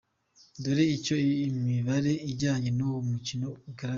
Dore icyo imibare ijyanye n'uwo mukino igaragaza:.